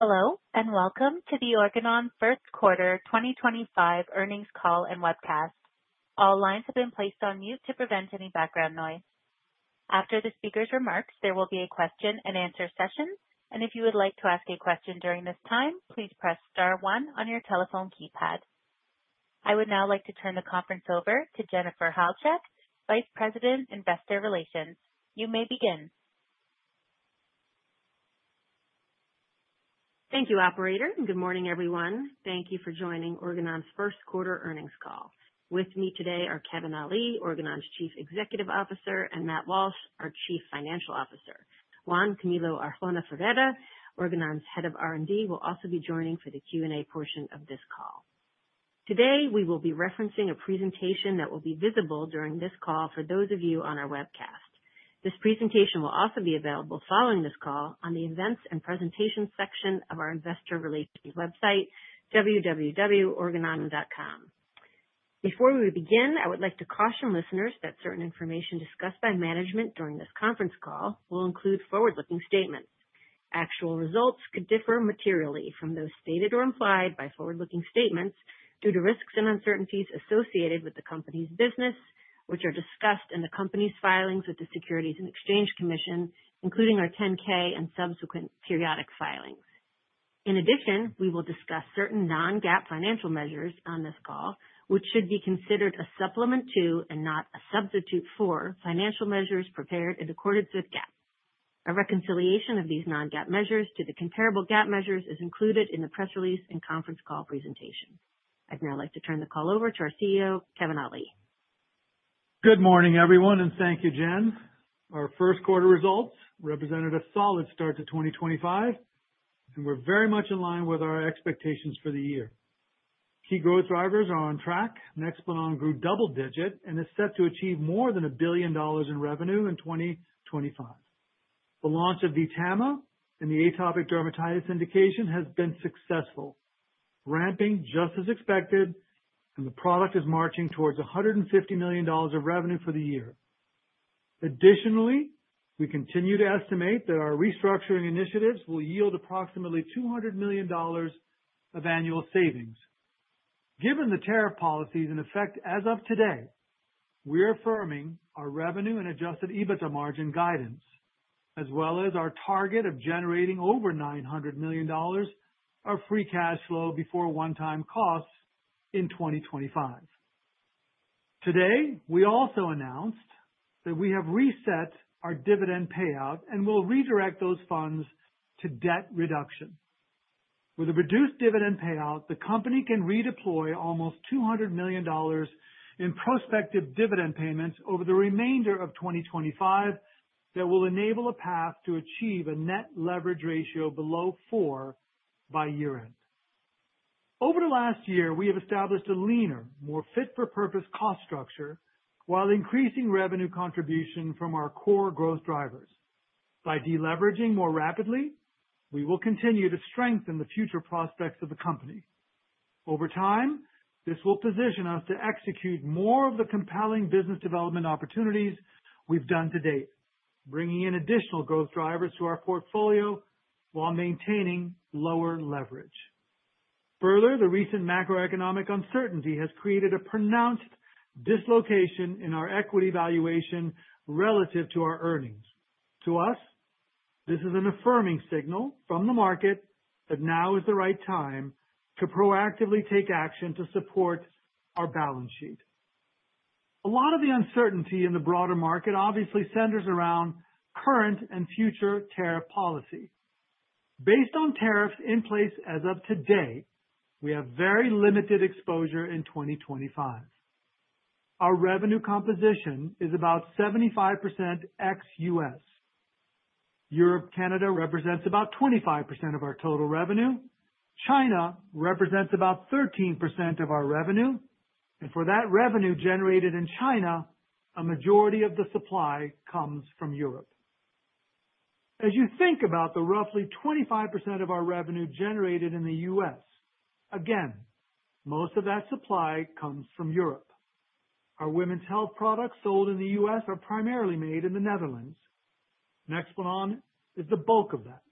Hello, and welcome to the Organon First Quarter 2025 earnings call and webcast. All lines have been placed on mute to prevent any background noise. After the speaker's remarks, there will be a question-and-answer session, and if you would like to ask a question during this time, please press star one on your telephone keypad. I would now like to turn the conference over to Jennifer Halchak, Vice President, Investor Relations. You may begin. Thank you, Operator. Good morning, everyone. Thank you for joining Organon's First Quarter earnings call. With me today are Kevin Ali, Organon's Chief Executive Officer, and Matt Walsh, our Chief Financial Officer. Juan Camilo Arjona Ferreira, Organon's Head of R&D, will also be joining for the Q&A portion of this call. Today, we will be referencing a presentation that will be visible during this call for those of you on our webcast. This presentation will also be available following this call on the Events and Presentations section of our Investor Relations website, www.organon.com. Before we begin, I would like to caution listeners that certain information discussed by management during this conference call will include forward-looking statements. Actual results could differ materially from those stated or implied by forward-looking statements due to risks and uncertainties associated with the company's business, which are discussed in the company's filings with the Securities and Exchange Commission, including our 10-K and subsequent periodic filings. In addition, we will discuss certain non-GAAP financial measures on this call, which should be considered a supplement to and not a substitute for financial measures prepared and accorded with GAAP. A reconciliation of these non-GAAP measures to the comparable GAAP measures is included in the press release and conference call presentation. I'd now like to turn the call over to our CEO, Kevin Ali. Good morning, everyone, and thank you, Jen. Our first quarter results represented a solid start to 2025, and we're very much in line with our expectations for the year. Key growth drivers are on track. Nexplanon grew double-digit and is set to achieve more than $1 billion in revenue in 2025. The launch of VTAMA and the atopic dermatitis indication has been successful, ramping just as expected, and the product is marching towards $150 million of revenue for the year. Additionally, we continue to estimate that our restructuring initiatives will yield approximately $200 million of annual savings. Given the tariff policies in effect as of today, we're affirming our revenue and Adjusted EBITDA margin guidance, as well as our target of generating over $900 million of Free Cash Flow before one-time costs in 2025. Today, we also announced that we have reset our dividend payout and will redirect those funds to debt reduction. With a reduced dividend payout, the company can redeploy almost $200 million in prospective dividend payments over the remainder of 2025 that will enable a path to achieve a net leverage ratio below four by year-end. Over the last year, we have established a leaner, more fit-for-purpose cost structure while increasing revenue contribution from our core growth drivers. By deleveraging more rapidly, we will continue to strengthen the future prospects of the company. Over time, this will position us to execute more of the compelling business development opportunities we've done to date, bringing in additional growth drivers to our portfolio while maintaining lower leverage. Further, the recent macroeconomic uncertainty has created a pronounced dislocation in our equity valuation relative to our earnings. To us, this is an affirming signal from the market that now is the right time to proactively take action to support our balance sheet. A lot of the uncertainty in the broader market obviously centers around current and future tariff policy. Based on tariffs in place as of today, we have very limited exposure in 2025. Our revenue composition is about 75% ex-U.S. Europe and Canada represent about 25% of our total revenue. China represents about 13% of our revenue. For that revenue generated in China, a majority of the supply comes from Europe. As you think about the roughly 25% of our revenue generated in the U.S., again, most of that supply comes from Europe. Our Women's Health products sold in the U.S. are primarily made in the Netherlands. Nexplanon is the bulk of that,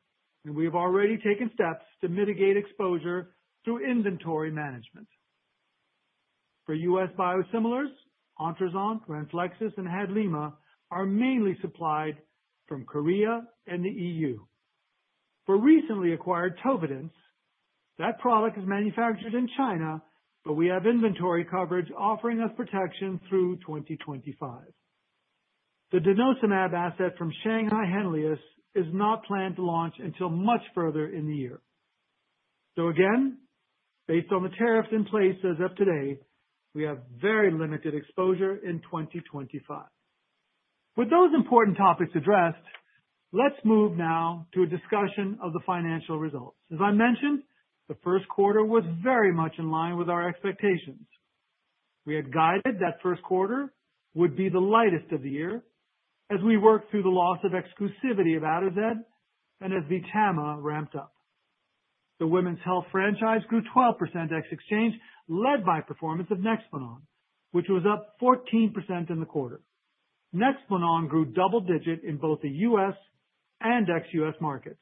and we have already taken steps to mitigate exposure through inventory management. For U.S. biosimilars, Ontruzant, Renflexis, and Hadlima are mainly supplied from South Korea and the EU. For recently acquired Tofidence, that product is manufactured in China, but we have inventory coverage offering us protection through 2025. The denosumab asset from Shanghai Henlius is not planned to launch until much further in the year. Again, based on the tariffs in place as of today, we have very limited exposure in 2025. With those important topics addressed, let's move now to a discussion of the financial results. As I mentioned, the first quarter was very much in line with our expectations. We had guided that first quarter would be the lightest of the year as we worked through the loss of exclusivity of Atozet and as VTAMA ramped up. The Women's Health franchise grew 12% ex-exchange, led by performance of Nexplanon, which was up 14% in the quarter. Nexplanon grew double-digit in both the U.S. and ex-U.S. markets.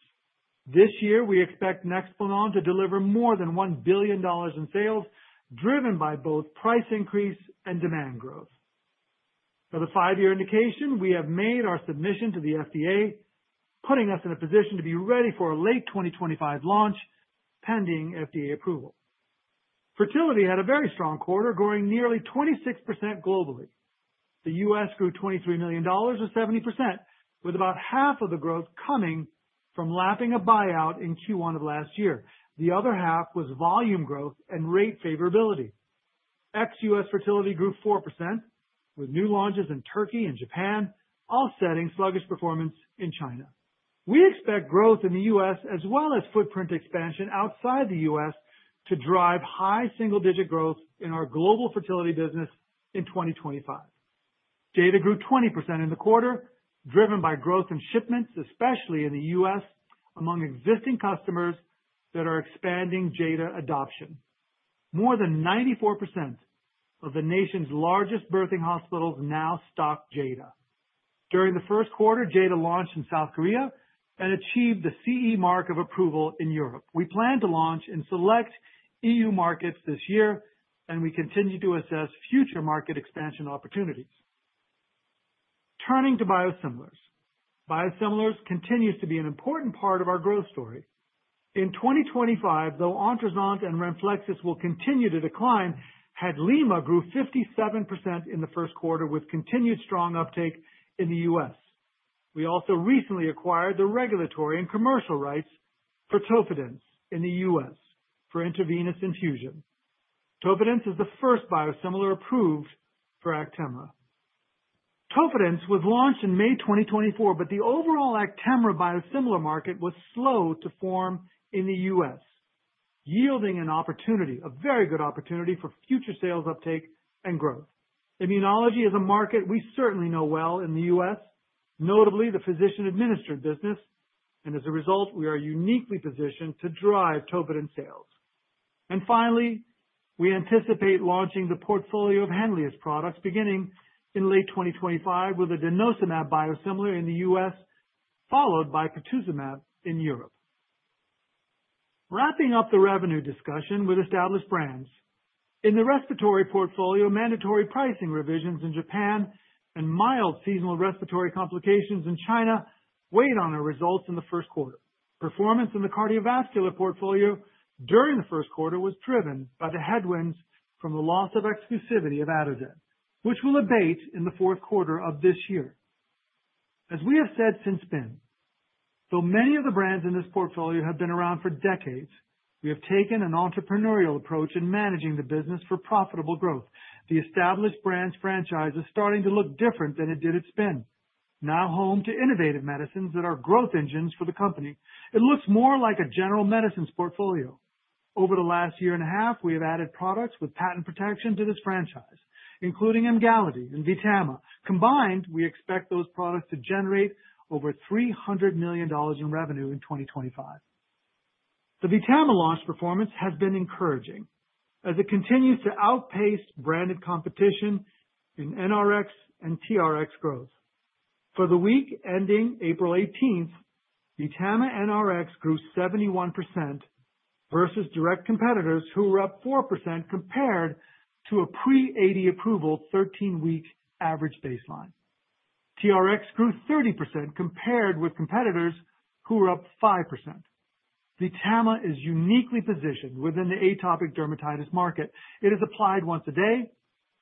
This year, we expect Nexplanon to deliver more than $1 billion in sales, driven by both price increase and demand growth. For the five-year indication, we have made our submission to the FDA, putting us in a position to be ready for a late 2025 launch pending FDA approval. Fertility had a very strong quarter, growing nearly 26% globally. The U.S. grew $23 million or 70%, with about half of the growth coming from lapping a buyout in Q1 of last year. The other half was volume growth and rate favorability. Ex-U.S. fertility grew 4%, with new launches in Turkey and Japan, offsetting sluggish performance in China. We expect growth in the U.S. as well as footprint expansion outside the U.S. to drive high single-digit growth in our global fertility business in 2025. Jada grew 20% in the quarter, driven by growth in shipments, especially in the U.S., among existing customers that are expanding Jada adoption. More than 94% of the nation's largest birthing hospitals now stock Jada. During the first quarter, Jada launched in South Korea and achieved the CE mark of approval in Europe. We plan to launch in select EU markets this year, and we continue to assess future market expansion opportunities. Turning to biosimilars, biosimilars continue to be an important part of our growth story. In 2025, though Ontruzant and Renflexis will continue to decline, Hadlima grew 57% in the first quarter with continued strong uptake in the U.S. We also recently acquired the regulatory and commercial rights for Tofidence in the U.S. for intravenous infusion. Tofidence is the first biosimilar approved for Actemra. Tofidence was launched in May 2024, but the overall Actemra biosimilar market was slow to form in the U.S., yielding an opportunity, a very good opportunity for future sales uptake and growth. Immunology is a market we certainly know well in the U.S., notably the physician-administered business, and as a result, we are uniquely positioned to drive Tofidence sales. Finally, we anticipate launching the portfolio of Henlius products beginning in late 2025 with a denosumab biosimilar in the U.S., followed by pertuzumab in Europe. Wrapping up the revenue discussion with Established Brands, in the respiratory portfolio, mandatory pricing revisions in Japan and mild seasonal respiratory complications in China weighed on our results in the first quarter. Performance in the cardiovascular portfolio during the first quarter was driven by the headwinds from the loss of exclusivity of Atozet, which will abate in the fourth quarter of this year. As we have said since then, though many of the brands in this portfolio have been around for decades, we have taken an entrepreneurial approach in managing the business for profitable growth. The Established Brands franchise is starting to look different than it did at Spin, now home to innovative medicines that are growth engines for the company. It looks more like a general medicines portfolio. Over the last year and a half, we have added products with patent protection to this franchise, including Emgality and VTAMA. Combined, we expect those products to generate over $300 million in revenue in 2025. The VTAMA launch performance has been encouraging as it continues to outpace branded competition in NRx and TRx growth. For the week ending April 18, VTAMA NRx grew 71% versus direct competitors who were up 4% compared to a pre-AD approval 13-week average baseline. TRx grew 30% compared with competitors who were up 5%. VTAMA is uniquely positioned within the atopic dermatitis market. It is applied once a day,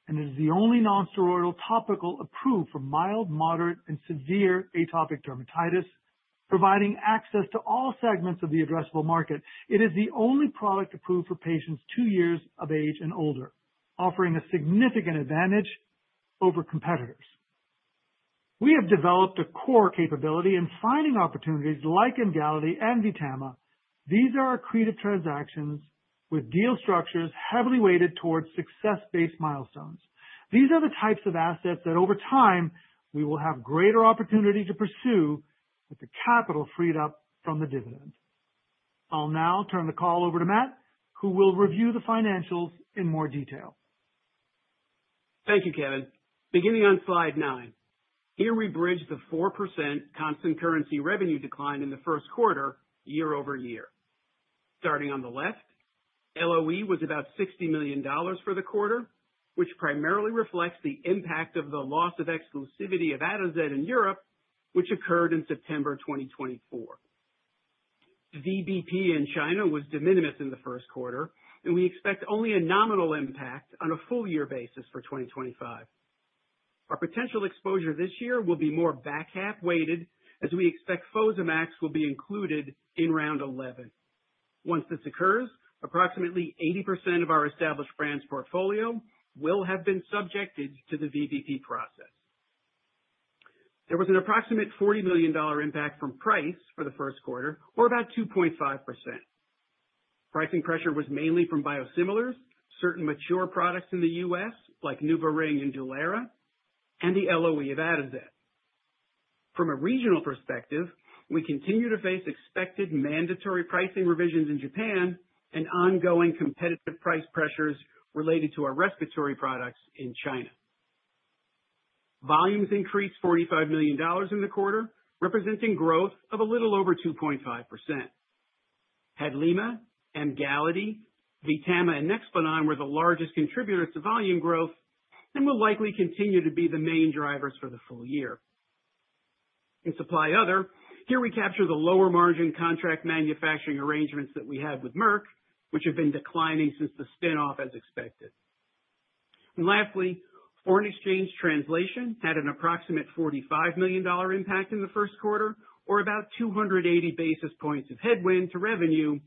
and it is the only nonsteroidal topical approved for mild, moderate, and severe atopic dermatitis, providing access to all segments of the addressable market. It is the only product approved for patients two years of age and older, offering a significant advantage over competitors. We have developed a core capability in finding opportunities like Emgality and VTAMA. These are our creative transactions with deal structures heavily weighted towards success-based milestones. These are the types of assets that over time we will have greater opportunity to pursue with the capital freed up from the dividend. I'll now turn the call over to Matt, who will review the financials in more detail. Thank you, Kevin. Beginning on slide nine, here we bridge the 4% constant currency revenue decline in the first quarter year-over-year. Starting on the left, LOE was about $60 million for the quarter, which primarily reflects the impact of the loss of exclusivity of Atozet in Europe, which occurred in September 2024. VBP in China was de minimis in the first quarter, and we expect only a nominal impact on a full-year basis for 2025. Our potential exposure this year will be more back-half-weighted as we expect Fosamax will be included in round 11. Once this occurs, approximately 80% of our established brand's portfolio will have been subjected to the VBP process. There was an approximate $40 million impact from price for the first quarter, or about 2.5%. Pricing pressure was mainly from biosimilars, certain mature products in the U.S., like NuvaRing and Dulera, and the LOE of Atozet. From a regional perspective, we continue to face expected mandatory pricing revisions in Japan and ongoing competitive price pressures related to our respiratory products in China. Volumes increased $45 million in the quarter, representing growth of a little over 2.5%. Hadlima, Emgality, VTAMA, and Nexplanon were the largest contributors to volume growth and will likely continue to be the main drivers for the full year. In supply other, here we capture the lower-margin contract manufacturing arrangements that we had with Merck, which have been declining since the spinoff, as expected. Lastly, foreign exchange translation had an approximate $45 million impact in the first quarter, or about 280 basis points of headwind to revenue,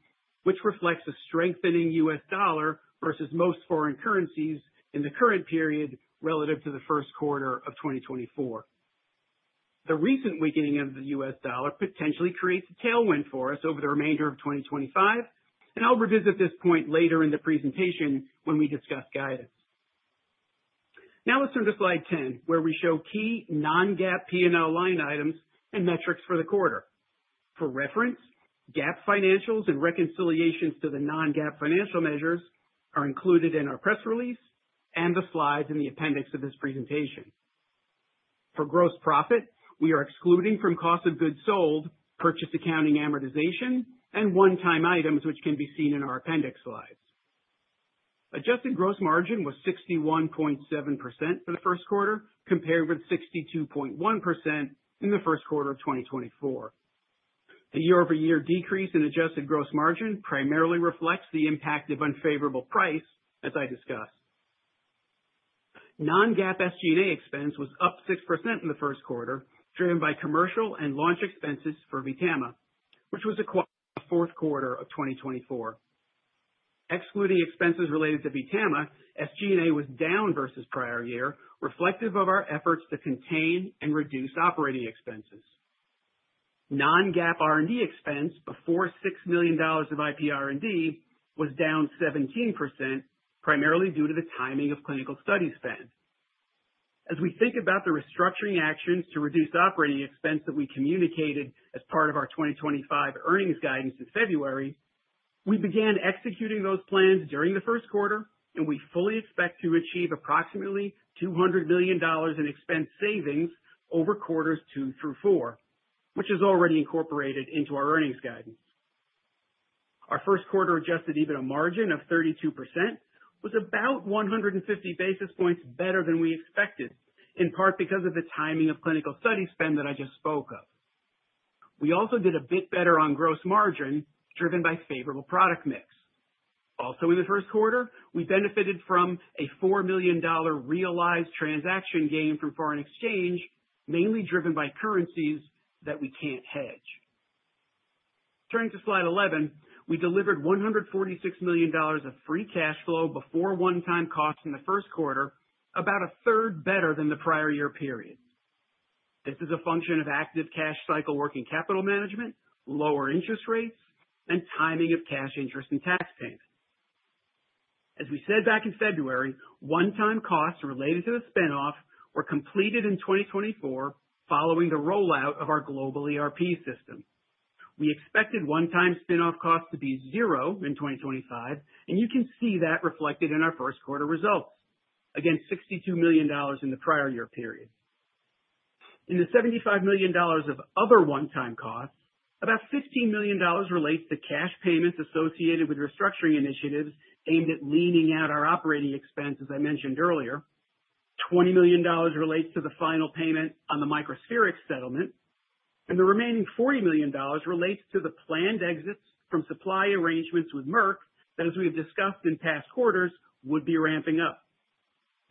which reflects a strengthening U.S. Dollar versus most foreign currencies in the current period relative to the first quarter of 2024. The recent weakening of the U.S. dollar potentially creates a tailwind for us over the remainder of 2025, and I'll revisit this point later in the presentation when we discuss guidance. Now let's turn to slide 10, where we show key non-GAAP P&L line items and metrics for the quarter. For reference, GAAP financials and reconciliations to the non-GAAP financial measures are included in our press release and the slides in the appendix of this presentation. For gross profit, we are excluding from cost of goods sold purchase accounting amortization and one-time items, which can be seen in our appendix slides. Adjusted Gross Margin was 61.7% for the first quarter, compared with 62.1% in the first quarter of 2024. The year-over-year decrease in Adjusted Gross Margin primarily reflects the impact of unfavorable price, as I discussed. Non-GAAP SG&A expense was up 6% in the first quarter, driven by commercial and launch expenses for VTAMA, which was acquired in the fourth quarter of 2024. Excluding expenses related to VTAMA, SG&A was down versus prior year, reflective of our efforts to contain and reduce operating expenses. Non-GAAP R&D expense before $6 million of IP R&D was down 17%, primarily due to the timing of clinical study spend. As we think about the restructuring actions to reduce operating expense that we communicated as part of our 2025 earnings guidance in February, we began executing those plans during the first quarter, and we fully expect to achieve approximately $200 million in expense savings over quarters two through four, which is already incorporated into our earnings guidance. Our first quarter Adjusted EBITDA margin of 32% was about 150 basis points better than we expected, in part because of the timing of clinical study spend that I just spoke of. We also did a bit better on gross margin, driven by favorable product mix. Also, in the first quarter, we benefited from a $4 million realized transaction gain from foreign exchange, mainly driven by currencies that we can't hedge. Turning to slide 11, we delivered $146 million of Free Cash Flow before one-time costs in the first quarter, about a third better than the prior year period. This is a function of active cash cycle working capital management, lower interest rates, and timing of cash interest and tax payment. As we said back in February, one-time costs related to the spinoff were completed in 2024, following the rollout of our global ERP system. We expected one-time spinoff costs to be zero in 2025, and you can see that reflected in our first quarter results, again, $62 million in the prior year period. In the $75 million of other one-time costs, about $15 million relates to cash payments associated with restructuring initiatives aimed at leaning out our operating expense, as I mentioned earlier. $20 million relates to the final payment on the Microspherix settlement, and the remaining $40 million relates to the planned exits from supply arrangements with Merck that, as we have discussed in past quarters, would be ramping up.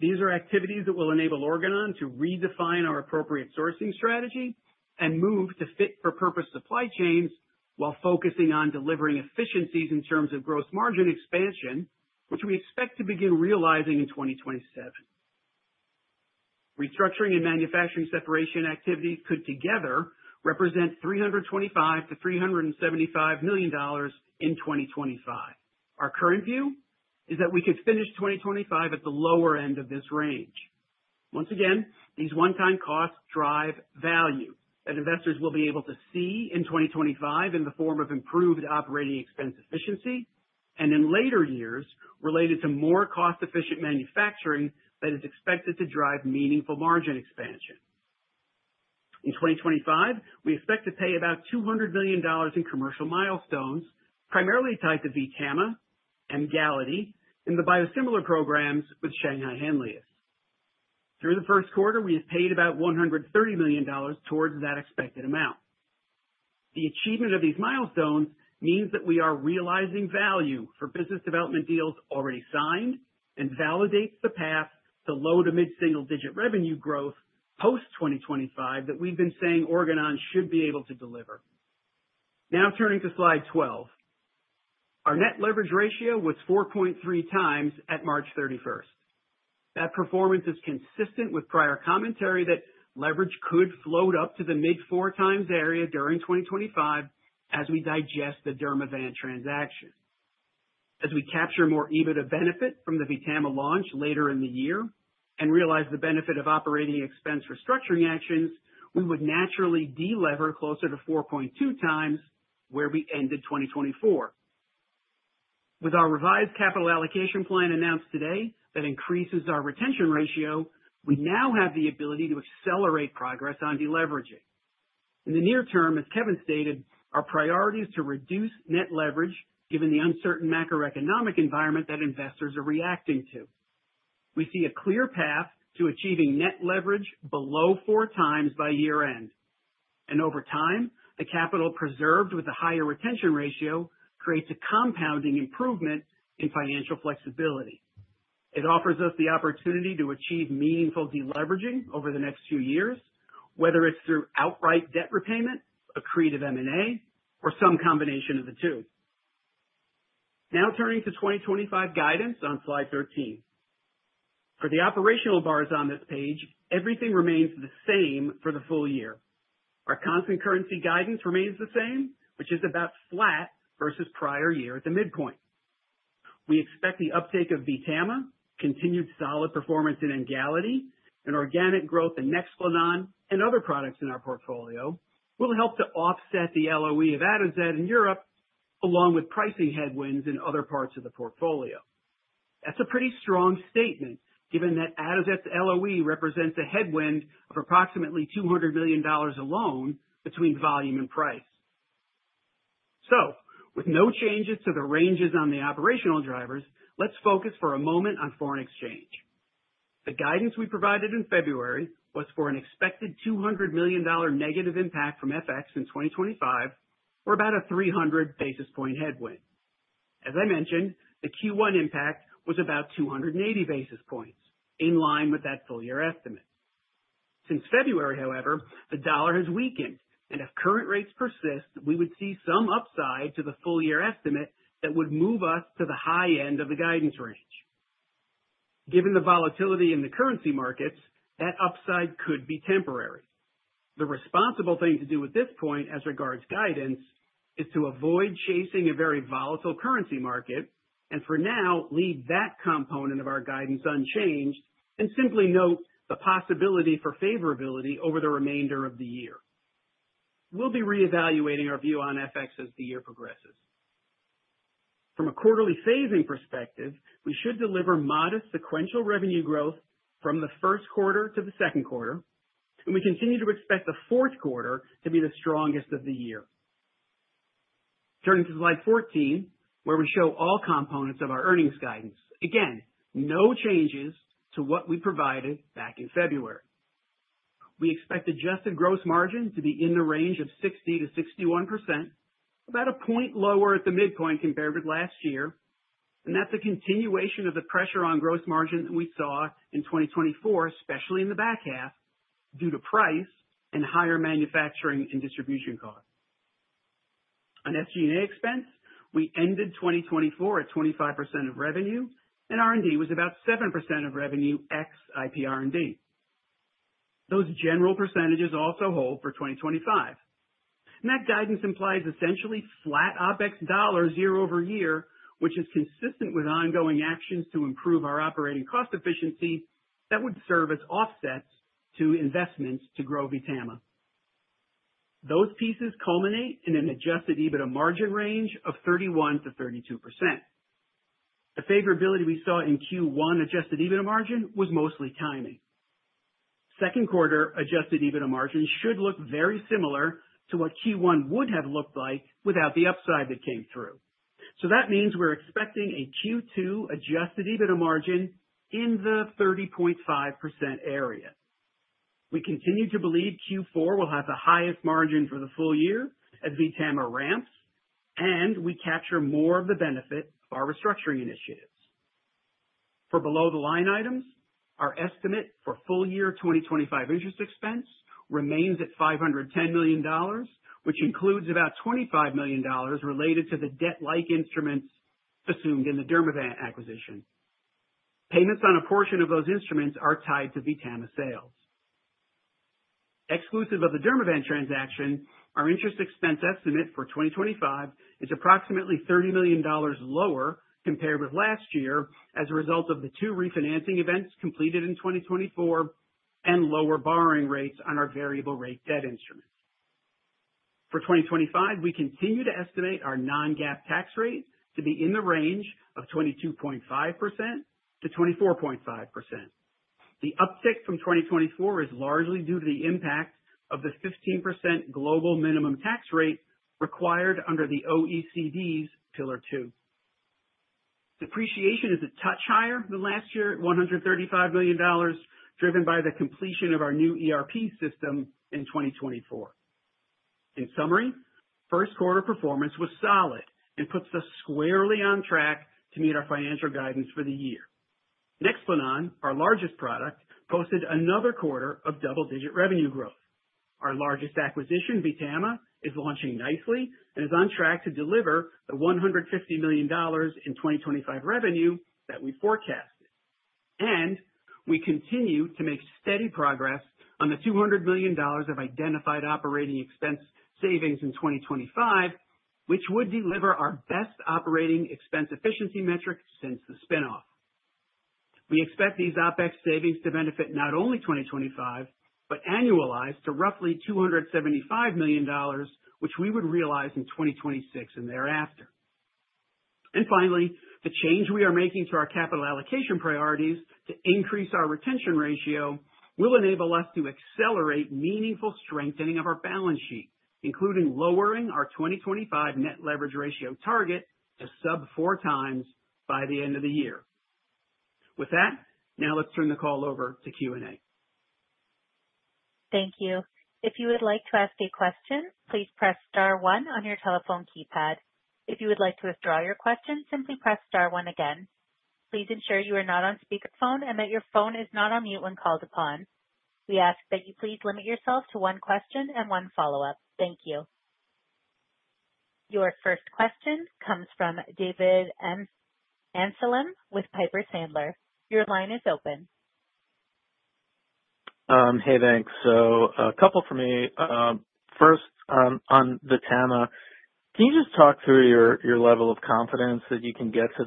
These are activities that will enable Organon to redefine our appropriate sourcing strategy and move to fit-for-purpose supply chains while focusing on delivering efficiencies in terms of gross margin expansion, which we expect to begin realizing in 2027. Restructuring and manufacturing separation activities could together represent $325 million-$375 million in 2025. Our current view is that we could finish 2025 at the lower end of this range. Once again, these one-time costs drive value that investors will be able to see in 2025 in the form of improved operating expense efficiency and in later years related to more cost-efficient manufacturing that is expected to drive meaningful margin expansion. In 2025, we expect to pay about $200 million in commercial milestones, primarily tied to VTAMA, Emgality, and the biosimilar programs with Shanghai Henlius. Through the first quarter, we have paid about $130 million towards that expected amount. The achievement of these milestones means that we are realizing value for business development deals already signed and validates the path to low to mid-single-digit revenue growth post-2025 that we've been saying Organon should be able to deliver. Now turning to slide 12, our net leverage ratio was 4.3 times at March 31. That performance is consistent with prior commentary that leverage could float up to the mid-four times area during 2025 as we digest the Dermavant transaction. As we capture more EBITDA benefit from the VTAMA launch later in the year and realize the benefit of operating expense restructuring actions, we would naturally delever closer to 4.2 times where we ended 2024. With our revised capital allocation plan announced today that increases our retention ratio, we now have the ability to accelerate progress on deleveraging. In the near term, as Kevin stated, our priority is to reduce net leverage given the uncertain macroeconomic environment that investors are reacting to. We see a clear path to achieving net leverage below four times by year-end. Over time, the capital preserved with a higher retention ratio creates a compounding improvement in financial flexibility. It offers us the opportunity to achieve meaningful deleveraging over the next few years, whether it's through outright debt repayment, a creative M&A, or some combination of the two. Now turning to 2025 guidance on slide 13. For the operational bars on this page, everything remains the same for the full year. Our constant currency guidance remains the same, which is about flat versus prior year at the midpoint. We expect the uptake of VTAMA, continued solid performance in Emgality, and organic growth in Nexplanon and other products in our portfolio will help to offset the LOE of Atozet in Europe, along with pricing headwinds in other parts of the portfolio. That's a pretty strong statement, given that Atozet's LOE represents a headwind of approximately $200 million alone between volume and price. With no changes to the ranges on the operational drivers, let's focus for a moment on foreign exchange. The guidance we provided in February was for an expected $200 million negative impact from FX in 2025, or about a 300 basis point headwind. As I mentioned, the Q1 impact was about 280 basis points, in line with that full-year estimate. Since February, however, the dollar has weakened, and if current rates persist, we would see some upside to the full-year estimate that would move us to the high end of the guidance range. Given the volatility in the currency markets, that upside could be temporary. The responsible thing to do at this point as regards guidance is to avoid chasing a very volatile currency market and for now leave that component of our guidance unchanged and simply note the possibility for favorability over the remainder of the year. We'll be reevaluating our view on FX as the year progresses. From a quarterly phasing perspective, we should deliver modest sequential revenue growth from the first quarter to the second quarter, and we continue to expect the fourth quarter to be the strongest of the year. Turning to slide 14, where we show all components of our earnings guidance. Again, no changes to what we provided back in February. We expect Adjusted Gross Margin to be in the range of 60-61%, about a point lower at the midpoint compared with last year, and that's a continuation of the pressure on gross margin that we saw in 2024, especially in the back half, due to price and higher manufacturing and distribution costs. On SG&A expense, we ended 2024 at 25% of revenue, and R&D was about 7% of revenue ex IP R&D. Those general percentages also hold for 2025. That guidance implies essentially flat OpEx dollars year-over-year, which is consistent with ongoing actions to improve our operating cost efficiency that would serve as offsets to investments to grow VTAMA. Those pieces culminate in an Adjusted EBITDA margin range of 31-32%. The favorability we saw in Q1 Adjusted EBITDA margin was mostly timing. Second quarter Adjusted EBITDA margin should look very similar to what Q1 would have looked like without the upside that came through. That means we're expecting a Q2 Adjusted EBITDA margin in the 30.5% area. We continue to believe Q4 will have the highest margin for the full year as VTAMA ramps, and we capture more of the benefit of our restructuring initiatives. For below-the-line items, our estimate for full-year 2025 interest expense remains at $510 million, which includes about $25 million related to the debt-like instruments assumed in the Dermavant acquisition. Payments on a portion of those instruments are tied to VTAMA sales. Exclusive of the Dermavant transaction, our interest expense estimate for 2025 is approximately $30 million lower compared with last year as a result of the two refinancing events completed in 2024 and lower borrowing rates on our variable-rate debt instruments. For 2025, we continue to estimate our non-GAAP tax rate to be in the range of 22.5%-24.5%. The uptick from 2024 is largely due to the impact of the 15% global minimum tax rate required under the OECD's Pillar 2. Depreciation is a touch higher than last year at $135 million, driven by the completion of our new ERP system in 2024. In summary, first quarter performance was solid and puts us squarely on track to meet our financial guidance for the year. Nexplanon, our largest product, posted another quarter of double-digit revenue growth. Our largest acquisition, VTAMA, is launching nicely and is on track to deliver the $150 million in 2025 revenue that we forecasted. We continue to make steady progress on the $200 million of identified operating expense savings in 2025, which would deliver our best operating expense efficiency metric since the spinoff. We expect these OpEx savings to benefit not only 2025, but annualized to roughly $275 million, which we would realize in 2026 and thereafter. Finally, the change we are making to our capital allocation priorities to increase our retention ratio will enable us to accelerate meaningful strengthening of our balance sheet, including lowering our 2025 net leverage ratio target to sub-four times by the end of the year. With that, now let's turn the call over to Q&A. Thank you. If you would like to ask a question, please press star one on your telephone keypad. If you would like to withdraw your question, simply press star one again. Please ensure you are not on speakerphone and that your phone is not on mute when called upon. We ask that you please limit yourself to one question and one follow-up. Thank you. Your first question comes from David Amsellem with Piper Sandler. Your line is open. Hey, thanks. A couple for me. First, on VTAMA, can you just talk through your level of confidence that you can get to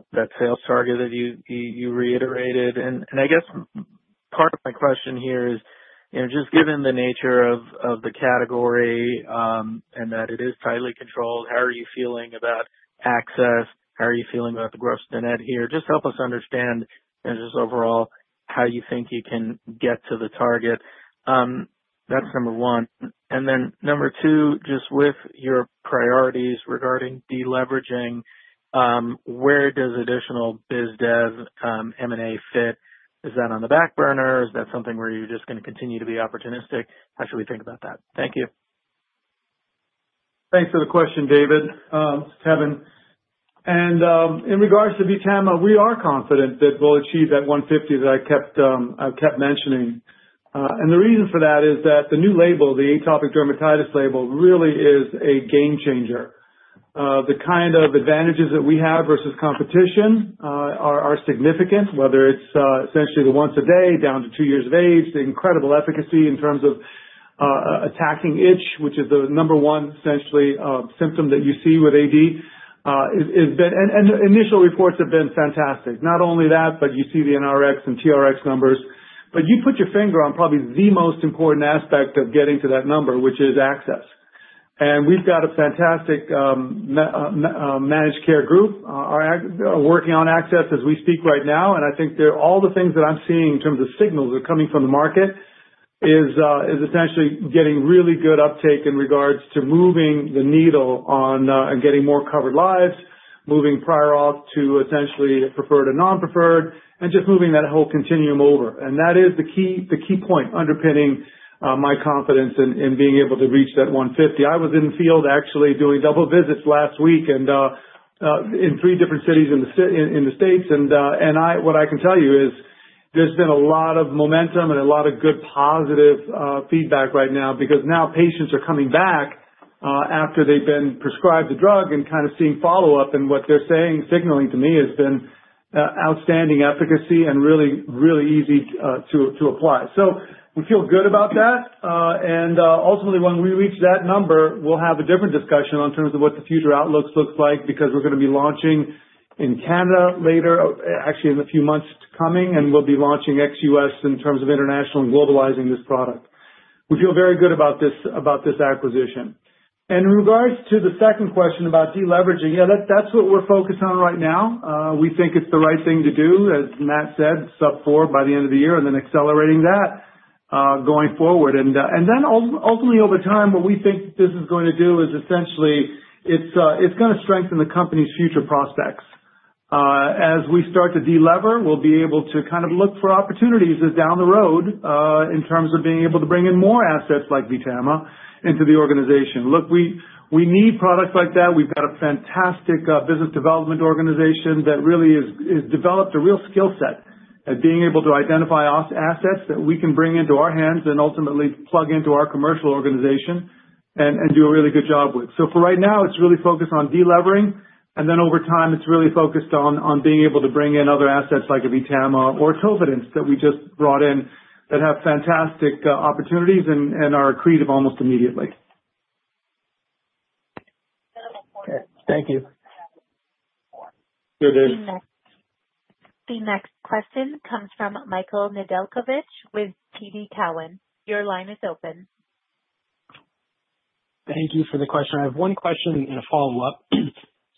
that sales target that you reiterated? I guess part of my question here is, just given the nature of the category and that it is tightly controlled, how are you feeling about access? How are you feeling about the gross net here? Just help us understand just overall how you think you can get to the target. That's number one. Number two, just with your priorities regarding deleveraging, where does additional biz dev M&A fit? Is that on the back burner? Is that something where you're just going to continue to be opportunistic? How should we think about that? Thank you. Thanks for the question, David, Kevin. In regards to VTAMA, we are confident that we'll achieve that $150 million that I kept mentioning. The reason for that is that the new label, the atopic dermatitis label, really is a game changer. The kind of advantages that we have versus competition are significant, whether it's essentially the once-a-day down to two years of age, the incredible efficacy in terms of attacking itch, which is the number one essentially symptom that you see with AD, and initial reports have been fantastic. Not only that, but you see the NRx and TRx numbers, but you put your finger on probably the most important aspect of getting to that number, which is access. We have a fantastic managed care group working on access as we speak right now, and I think all the things that I'm seeing in terms of signals are coming from the market is essentially getting really good uptake in regards to moving the needle on getting more covered lives, moving prior auth to essentially preferred and non-preferred, and just moving that whole continuum over. That is the key point underpinning my confidence in being able to reach that $150 million. I was in the field actually doing double visits last week in three different cities in the U.S., and what I can tell you is there's been a lot of momentum and a lot of good positive feedback right now because now patients are coming back after they've been prescribed the drug and kind of seeing follow-up, and what they're saying, signaling to me, has been outstanding efficacy and really, really easy to apply. We feel good about that. Ultimately, when we reach that number, we'll have a different discussion in terms of what the future outlooks look like because we're going to be launching in Canada later, actually in the few months coming, and we'll be launching ex-U.S. in terms of international and globalizing this product. We feel very good about this acquisition. In regards to the second question about deleveraging, yeah, that's what we're focused on right now. We think it's the right thing to do, as Matt said, sub-four by the end of the year, and then accelerating that going forward. Ultimately, over time, what we think this is going to do is essentially it's going to strengthen the company's future prospects. As we start to delever, we'll be able to kind of look for opportunities down the road in terms of being able to bring in more assets like VTAMA into the organization. Look, we need products like that. We've got a fantastic business development organization that really has developed a real skill set at being able to identify assets that we can bring into our hands and ultimately plug into our commercial organization and do a really good job with. For right now, it's really focused on delevering, and then over time, it's really focused on being able to bring in other assets like VTAMA or Tofidence that we just brought in that have fantastic opportunities and are accretive almost immediately. Thank you. Good day. The next question comes from Michael Nedelcovych with TD Cowen. Your line is open. Thank you for the question. I have one question and a follow-up.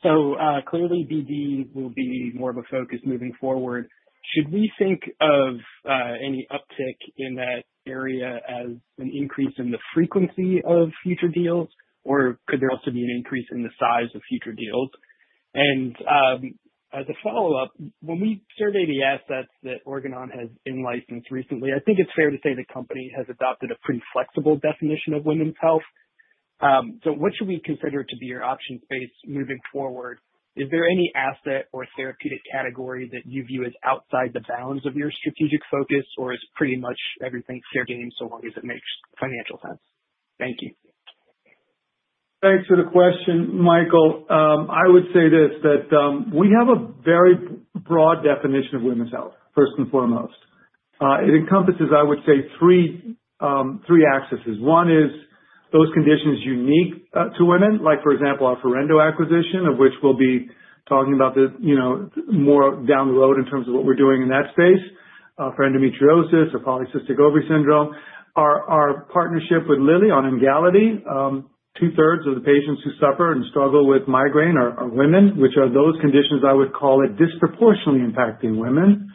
Clearly, BD will be more of a focus moving forward. Should we think of any uptick in that area as an increase in the frequency of future deals, or could there also be an increase in the size of future deals? As a follow-up, when we survey the assets that Organon has in-licensed recently, I think it's fair to say the company has adopted a pretty flexible definition of Women's Health. What should we consider to be your options base moving forward? Is there any asset or therapeutic category that you view as outside the bounds of your strategic focus, or is pretty much everything fair game so long as it makes financial sense? Thank you. Thanks for the question, Michael. I would say this: we have a very broad definition of Women's Health, first and foremost. It encompasses, I would say, three axes. One is those conditions unique to women, like for example, our Forendo acquisition, of which we will be talking about more down the road in terms of what we are doing in that space for endometriosis or polycystic ovary syndrome. Our partnership with Lilly on Emgality, two-thirds of the patients who suffer and struggle with migraine are women, which are those conditions I would call disproportionately impacting women.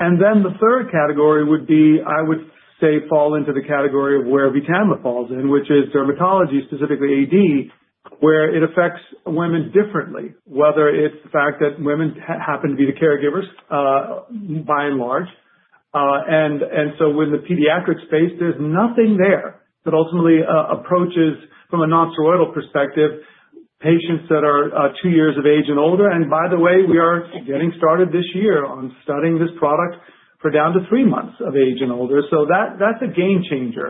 The third category would be, I would say, fall into the category of where VTAMA falls in, which is dermatology, specifically AD, where it affects women differently, whether it is the fact that women happen to be the caregivers by and large. In the pediatric space, there is nothing there that ultimately approaches from a non-steroidal perspective patients that are two years of age and older. By the way, we are getting started this year on studying this product for down to three months of age and older. That is a game changer.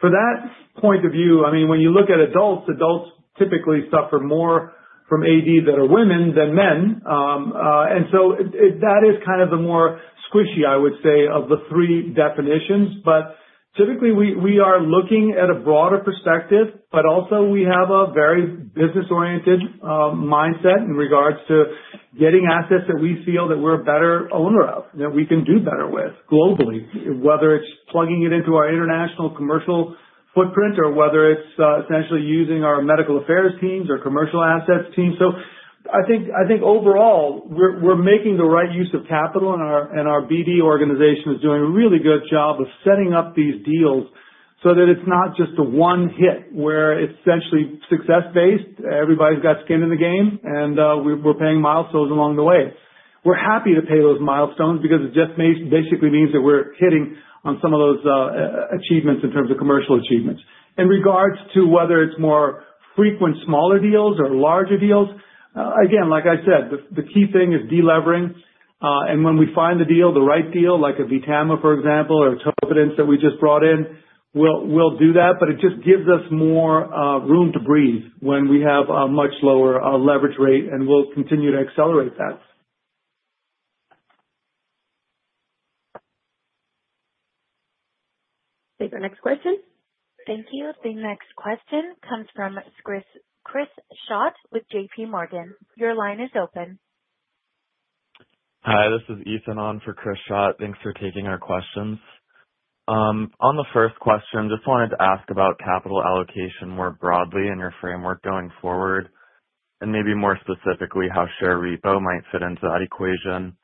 From that point of view, I mean, when you look at adults, adults typically suffer more from AD that are women than men. That is kind of the more squishy, I would say, of the three definitions. Typically, we are looking at a broader perspective, but also we have a very business-oriented mindset in regards to getting assets that we feel that we're a better owner of, that we can do better with globally, whether it's plugging it into our international commercial footprint or whether it's essentially using our medical affairs teams or commercial assets teams. I think overall, we're making the right use of capital, and our BD organization is doing a really good job of setting up these deals so that it's not just a one-hit where it's essentially success-based. Everybody's got skin in the game, and we're paying milestones along the way. We're happy to pay those milestones because it just basically means that we're hitting on some of those achievements in terms of commercial achievements. In regards to whether it's more frequent smaller deals or larger deals, again, like I said, the key thing is delevering. And when we find the deal, the right deal, like a VTAMA, for example, or Tofidence that we just brought in, we'll do that. But it just gives us more room to breathe when we have a much lower leverage rate, and we'll continue to accelerate that. Take our next question. Thank you. The next question comes from Chris Schott with JPMorgan. Your line is open. Hi, this is Ethan on for Chris Schott. Thanks for taking our questions. On the first question, just wanted to ask about capital allocation more broadly in your framework going forward, and maybe more specifically how share repo might fit into that equation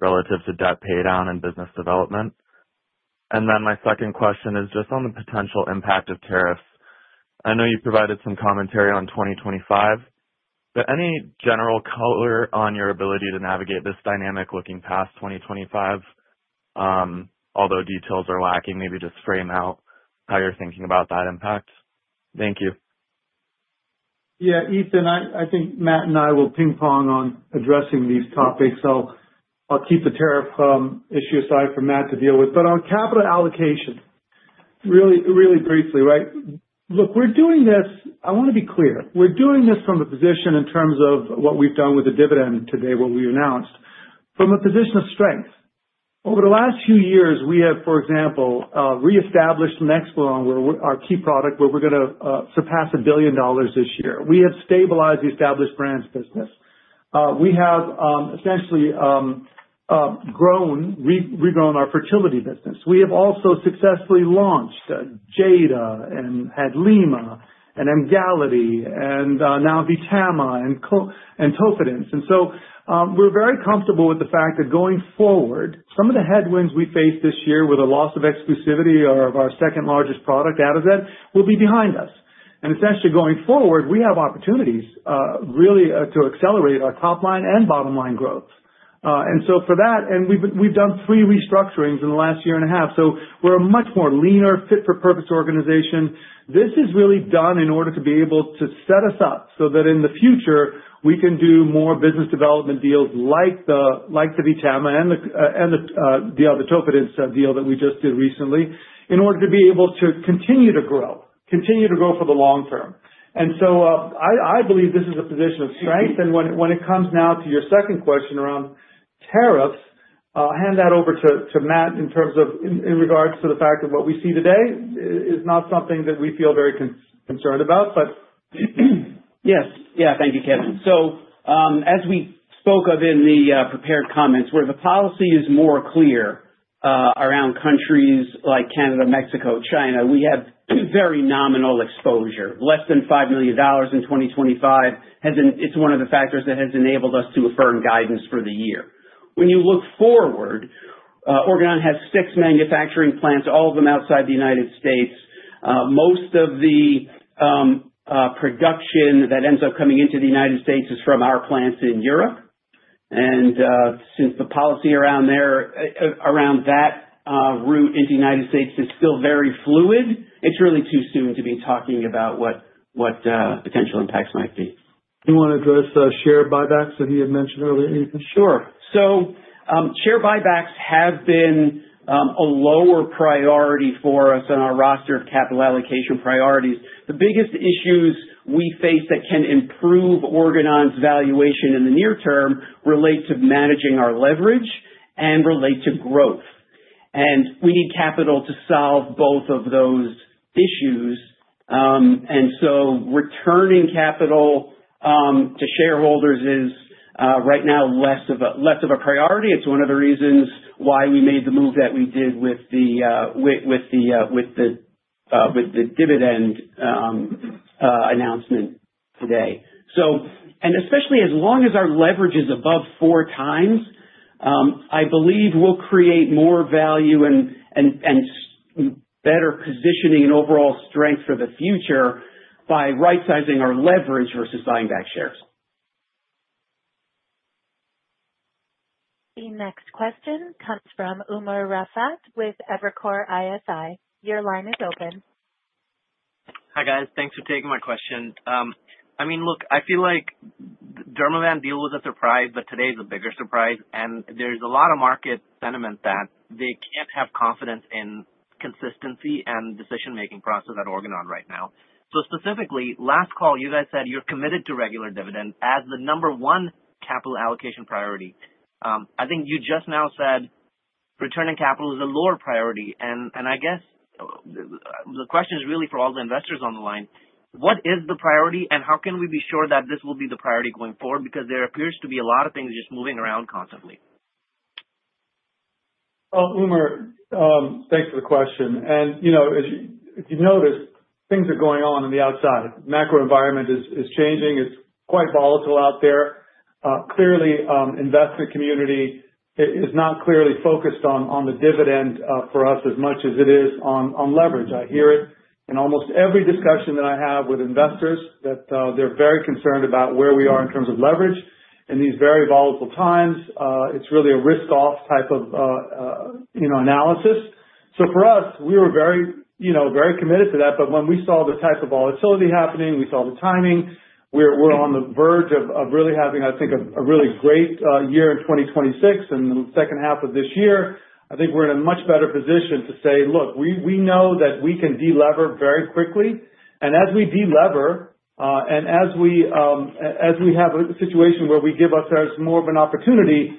relative to debt paydown and business development. And then my second question is just on the potential impact of tariffs. I know you provided some commentary on 2025, but any general color on your ability to navigate this dynamic looking past 2025? Although details are lacking, maybe just frame out how you're thinking about that impact. Thank you. Yeah, Ethan, I think Matt and I will ping-pong on addressing these topics. I'll keep the tariff issue aside for Matt to deal with. On capital allocation, really briefly, right? Look, we're doing this—I want to be clear—we're doing this from the position in terms of what we've done with the dividend today, what we announced. From a position of strength, over the last few years, we have, for example, reestablished Nexplanon, our key product, where we're going to surpass $1 billion this year. We have stabilized the Established Brands business. We have essentially regrown our fertility business. We have also successfully launched Jada and Hadlima and Emgality and now VTAMA and Tofidence. We are very comfortable with the fact that going forward, some of the headwinds we faced this year with a loss of exclusivity of our second largest product, Atozet, will be behind us. Essentially, going forward, we have opportunities really to accelerate our top-line and bottom-line growth. For that, we've done three restructurings in the last year and a half. We are a much more leaner, fit-for-purpose organization. This is really done in order to be able to set us up so that in the future, we can do more business development deals like the VTAMA and the Tofidence deal that we just did recently in order to be able to continue to grow, continue to grow for the long term. I believe this is a position of strength. When it comes now to your second question around tariffs, I'll hand that over to Matt in terms of in regards to the fact that what we see today is not something that we feel very concerned about. Yes. Thank you, Kevin. As we spoke of in the prepared comments, where the policy is more clear around countries like Canada, Mexico, China, we have very nominal exposure. Less than $5 million in 2025 has been—it's one of the factors that has enabled us to affirm guidance for the year. When you look forward, Organon has six manufacturing plants, all of them outside the United States. Most of the production that ends up coming into the United States is from our plants in Europe. Since the policy around that route into the United States is still very fluid, it's really too soon to be talking about what potential impacts might be. Do you want to address share buybacks that he had mentioned earlier? Sure. Share buybacks have been a lower priority for us on our roster of capital allocation priorities. The biggest issues we face that can improve Organon's valuation in the near term relate to managing our leverage and relate to growth. We need capital to solve both of those issues. Returning capital to shareholders is right now less of a priority. It's one of the reasons why we made the move that we did with the dividend announcement today. Especially as long as our leverage is above four times, I believe we'll create more value and better positioning and overall strength for the future by right-sizing our leverage versus buying back shares. The next question comes from Umer Raffat with Evercore ISI. Your line is open. Hi guys. Thanks for taking my question. I mean, look, I feel like Dermavant deal was a surprise, but today is a bigger surprise. There is a lot of market sentiment that they can't have confidence in consistency and decision-making process at Organon right now. Specifically, last call, you guys said you're committed to regular dividend as the number one capital allocation priority. I think you just now said returning capital is a lower priority. I guess the question is really for all the investors on the line. What is the priority, and how can we be sure that this will be the priority going forward? Because there appears to be a lot of things just moving around constantly. Umar, thanks for the question. If you've noticed, things are going on on the outside. The macro environment is changing. It's quite volatile out there. Clearly, the investment community is not clearly focused on the dividend for us as much as it is on leverage. I hear it in almost every discussion that I have with investors that they're very concerned about where we are in terms of leverage. In these very volatile times, it's really a risk-off type of analysis. For us, we were very committed to that. When we saw the type of volatility happening, we saw the timing, we're on the verge of really having, I think, a really great year in 2026 and the second half of this year. I think we're in a much better position to say, "Look, we know that we can delever very quickly." As we delever and as we have a situation where we give ourselves more of an opportunity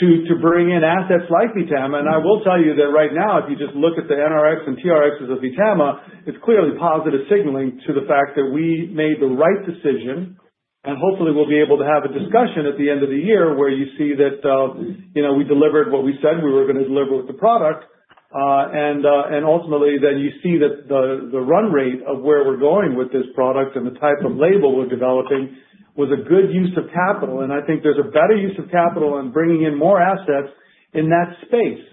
to bring in assets like VTAMA, I will tell you that right now, if you just look at the NRx and TRx of VTAMA, it's clearly positive signaling to the fact that we made the right decision. Hopefully, we'll be able to have a discussion at the end of the year where you see that we delivered what we said we were going to deliver with the product. Ultimately, then you see that the run rate of where we're going with this product and the type of label we're developing was a good use of capital. I think there's a better use of capital in bringing in more assets in that space.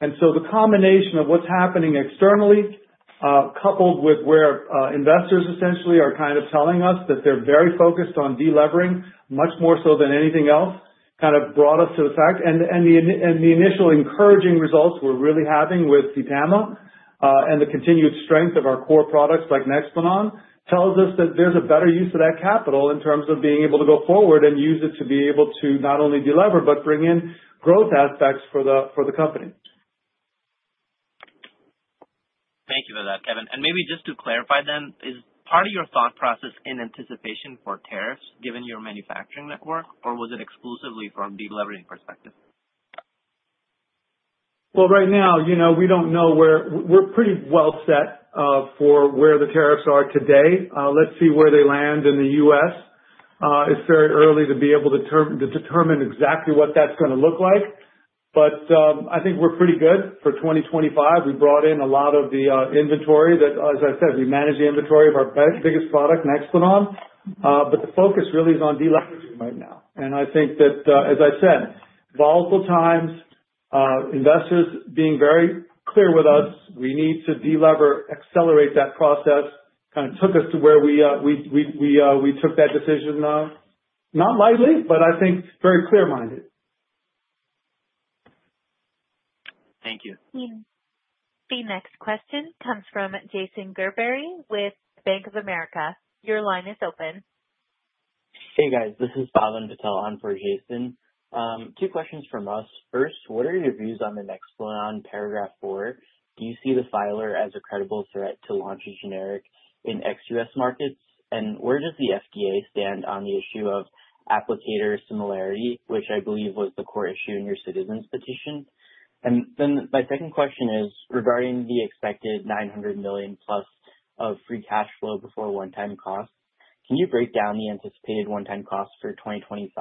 The combination of what's happening externally, coupled with where investors essentially are kind of telling us that they're very focused on delevering much more so than anything else, kind of brought us to the fact. The initial encouraging results we're really having with VTAMA and the continued strength of our core products like Nexplanon tells us that there's a better use of that capital in terms of being able to go forward and use it to be able to not only delever but bring in growth aspects for the company. Thank you for that, Kevin. Maybe just to clarify then, is part of your thought process in anticipation for tariffs given your manufacturing network, or was it exclusively from the delevering perspective? Right now, we do not know where we are pretty well set for where the tariffs are today. Let's see where they land in the U.S. It is very early to be able to determine exactly what that is going to look like. I think we are pretty good for 2025. We brought in a lot of the inventory that, as I said, we manage the inventory of our biggest product, Nexplanon. The focus really is on deleveraging right now. I think that, as I said, volatile times, investors being very clear with us, we need to delever, accelerate that process, kind of took us to where we took that decision not lightly, but I think very clear-minded. Thank you. The next question comes from Jason Gerberry with Bank of America. Your line is open. Hey guys, this is [Pavan] Patel on for Jason. Two questions from us. First, what are your views on the Nexplanon Paragraph IV? Do you see the filer as a credible threat to launch a generic in ex-U.S. markets? Where does the FDA stand on the issue of applicator similarity, which I believe was the core issue in your Citizen Petition? My second question is regarding the expected $900 million plus of Free Cash Flow before one-time costs. Can you break down the anticipated one-time costs for 2025?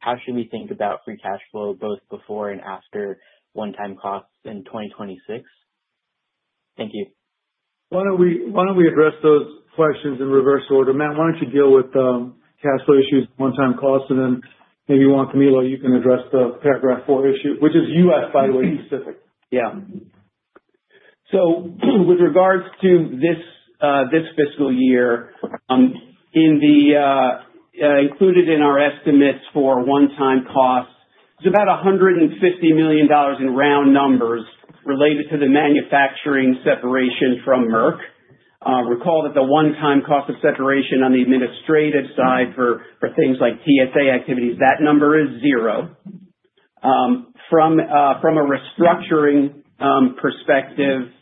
How should we think about Free Cash Flow both before and after one-time costs in 2026? Thank you. Why don't we address those questions in reverse order? Matt, why don't you deal with cash flow issues, one-time costs, and then maybe Juan Camilo, you can address the Paragraph IV issue, which is U.S., by the way, specific. Yeah. With regards to this fiscal year, included in our estimates for one-time costs, it's about $150 million in round numbers related to the manufacturing separation from Merck. Recall that the one-time cost of separation on the administrative side for things like TSA activities, that number is zero. From a restructuring perspective,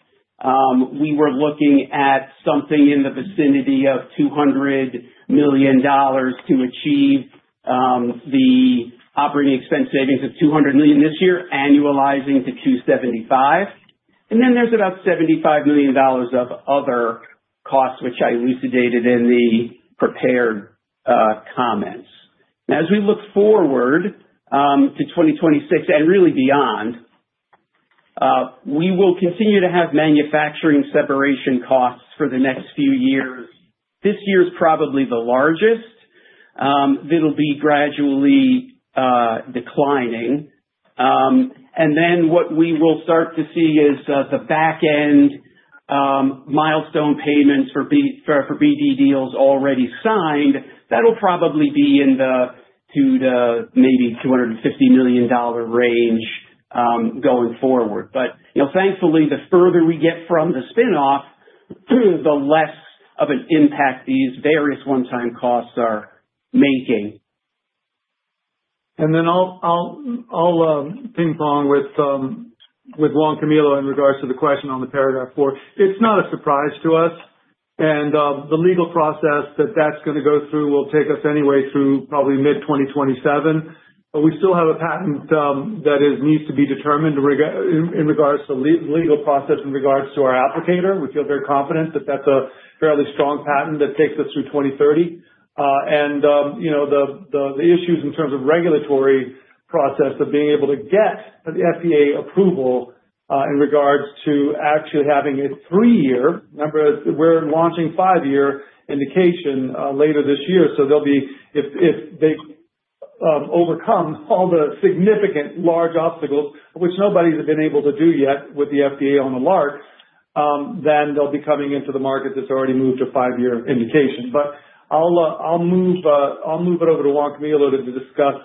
we were looking at something in the vicinity of $200 million to achieve the operating expense savings of $200 million this year, annualizing to $275 million. There's about $75 million of other costs, which I elucidated in the prepared comments. As we look forward to 2026 and really beyond, we will continue to have manufacturing separation costs for the next few years. This year is probably the largest. It'll be gradually declining. What we will start to see is the back-end milestone payments for BD deals already signed. That'll probably be in the $200 million to maybe $250 million range going forward. Thankfully, the further we get from the spinoff, the less of an impact these various one-time costs are making. I'll ping-pong with Juan Camilo in regards to the question on the Paragraph IV. It's not a surprise to us. The legal process that that's going to go through will take us anyway through probably mid-2027. We still have a patent that needs to be determined in regards to legal process in regards to our applicator. We feel very confident that that's a fairly strong patent that takes us through 2030. The issues in terms of regulatory process of being able to get the FDA approval in regards to actually having a three-year—remember, we're launching five-year indication later this year. If they overcome all the significant large obstacles, which nobody's been able to do yet with the FDA on the LARC, they will be coming into the market that's already moved to five-year indication. I'll move it over to Juan Camilo to discuss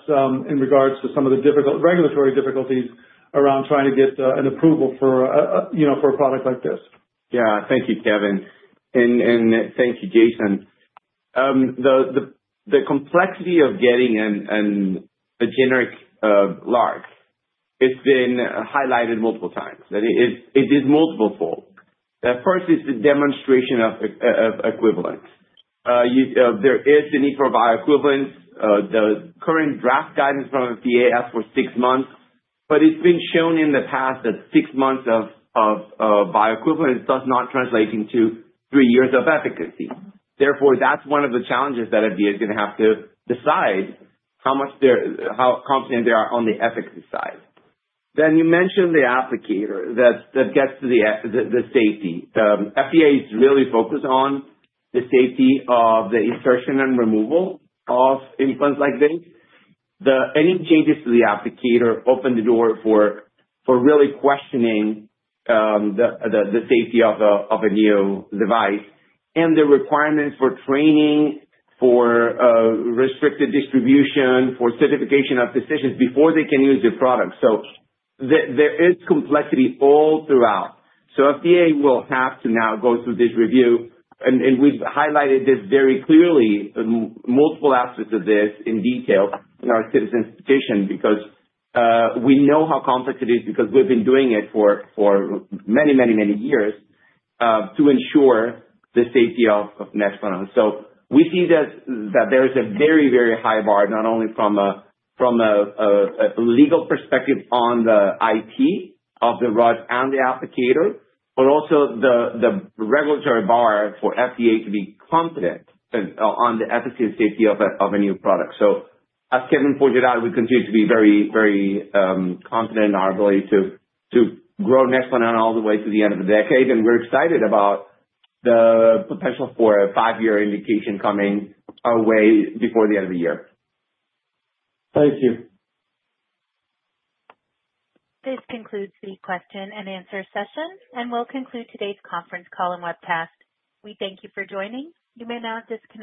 in regards to some of the regulatory difficulties around trying to get an approval for a product like this. Yeah. Thank you, Kevin. Thank you, Jason. The complexity of getting a generic LARC, it's been highlighted multiple times. It is multiple-fold. First is the demonstration of equivalence. There is the need for bioequivalence. The current draft guidance from FDA asked for six months. It has been shown in the past that six months of bioequivalence does not translate into three years of efficacy. Therefore, that is one of the challenges that FDA is going to have to decide how confident they are on the efficacy side. You mentioned the applicator that gets to the safety. The FDA is really focused on the safety of the insertion and removal of implants like this. Any changes to the applicator open the door for really questioning the safety of a new device and the requirements for training, for restricted distribution, for certification of physicians before they can use your product. There is complexity all throughout. FDA will have to now go through this review. We have highlighted this very clearly, multiple aspects of this in detail in our Citizen Petition because we know how complex it is because we have been doing it for many, many, many years to ensure the safety of Nexplanon. We see that there is a very, very high bar, not only from a legal perspective on the IP of the rod and the applicator, but also the regulatory bar for FDA to be confident on the efficacy and safety of a new product. As Kevin pointed out, we continue to be very, very confident in our ability to grow Nexplanon all the way to the end of the decade. We are excited about the potential for a five-year indication coming our way before the end of the year. Thank you. This concludes the question and answer session, and we will conclude today's conference call and webcast. We thank you for joining. You may now disconnect.